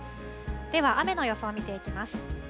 では雨の予想、見ていきます。